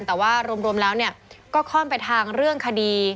แต่ว่ารวมแล้วก็ค่อนไปทางเรื่องคดี